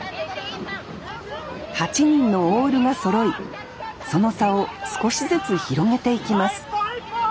８人のオールがそろいその差を少しずつ広げていきます